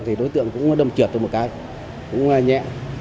thì đối tượng cũng đâm trượt được một cái cũng nhẹ